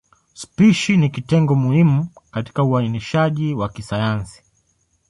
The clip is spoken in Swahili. Spishi ni kitengo muhimu katika uainishaji wa kisayansi.